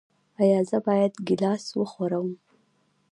ایا زه باید ګیلاس وخورم؟